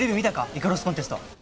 イカロスコンテスト。